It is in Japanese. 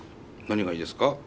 何がいいですか？